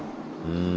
うん。